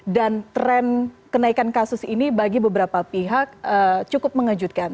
dan tren kenaikan kasus ini bagi beberapa pihak cukup mengejutkan